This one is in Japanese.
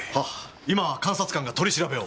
今監察官が取り調べを。